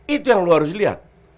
itu yang lo harus lihat